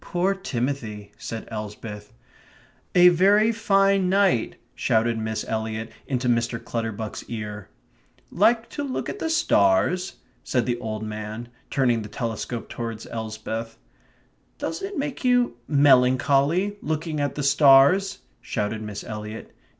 "Poor Timothy," said Elsbeth. "A very fine night," shouted Miss Eliot into Mr. Clutterbuck's ear. "Like to look at the stars?" said the old man, turning the telescope towards Elsbeth. "Doesn't it make you melancholy looking at the stars?" shouted Miss Eliot.